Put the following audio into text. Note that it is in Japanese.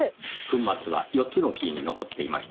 粉末は４つのキーに残っていました。